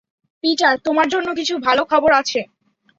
Peter, তোমার জন্য কিছু ভালো খবর আছে।